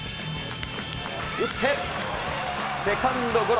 打って、セカンドゴロ。